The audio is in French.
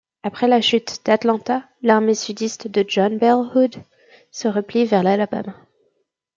Après la chute d'Atlanta, l'armée sudiste de John Bell Hood se replie vers l'Alabama.